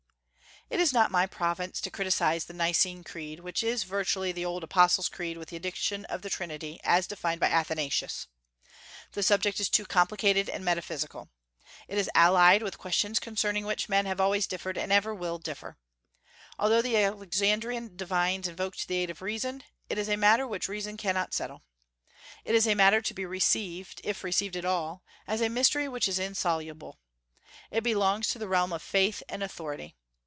It is not my province to criticise the Nicene Creed, which is virtually the old Apostles' Creed, with the addition of the Trinity, as defined by Athanasius. The subject is too complicated and metaphysical. It is allied with questions concerning which men have always differed and ever will differ. Although the Alexandrian divines invoked the aid of reason, it is a matter which reason cannot settle. It is a matter to be received, if received at all, as a mystery which is insoluble. It belongs to the realm of faith and authority.